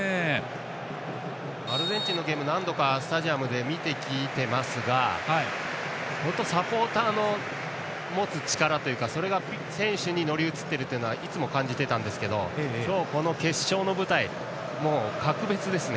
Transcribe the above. アルゼンチンのゲームは何度かスタジアムで見てきていますがサポーターの持つ力というかそれが選手に乗り移っているというのはいつも感じていましたが今日の決勝の舞台はもう、格別ですね。